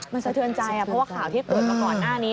มันสะเทือนใจเพราะว่าข่าวที่เกิดมาก่อนหน้านี้